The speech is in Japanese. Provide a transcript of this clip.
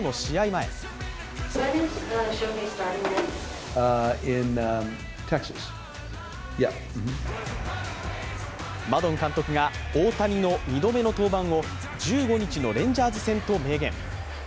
前マドン監督が大谷の２度目の登板を１５日のレンジャーズ戦と明言。